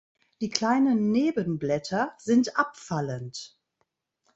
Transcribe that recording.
Die kleinen Nebenblätter sind abfallend.